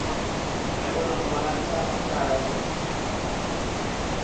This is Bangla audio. আমি বললাম, তোমরা লাঠি দ্বারা পাথরে আঘাত কর।